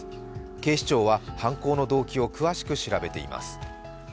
警視庁は犯行の動機を詳しく調べています。